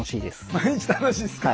毎日楽しいっすか。